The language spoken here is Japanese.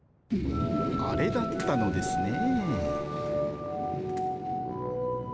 あれだったのですね。